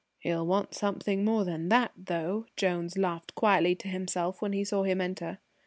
"He'll want something more than that, though!" Jones laughed quietly to himself when he saw him enter.